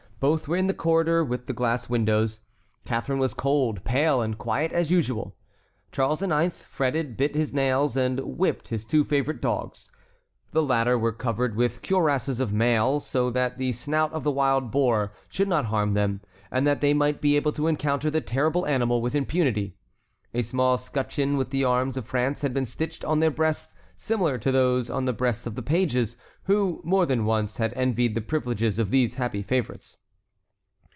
Both were in the corridor with the glass windows. Catharine was cold, pale, and quiet as usual. Charles IX. fretted, bit his nails, and whipped his two favorite dogs. The latter were covered with cuirasses of mail, so that the snout of the wild boar should not harm them, and that they might be able to encounter the terrible animal with impunity. A small scutcheon with the arms of France had been stitched on their breasts similar to those on the breasts of the pages, who, more than once, had envied the privileges of these happy favorites.